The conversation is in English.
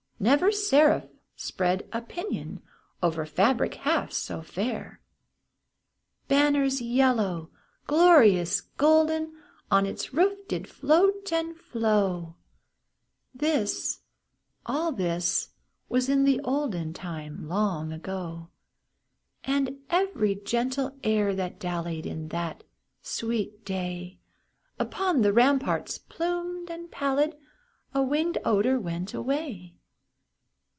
Never seraph spread a pinion Over fabric half so fair! Banners yellow, glorious, golden, On its roof did float and flow, (This all this was in the olden Time long ago), And every gentle air that dallied, In that sweet day, Along the ramparts plumed and pallid, A winged odor went away.